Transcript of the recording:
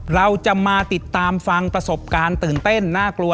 เราจะมาติดตามฟังประสบการณ์ตื่นเต้นน่ากลัว